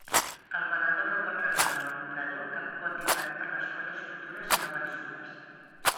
El venedor no pot reclamar al comprador cap quantitat per les quotes futures i no vençudes.